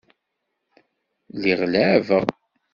Lliɣ leɛɛbeɣ.